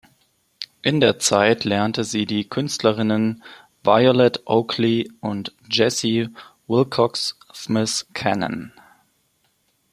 In der Zeit lernte sie die Künstlerinnen Violet Oakley und Jessie Willcox Smith kennen.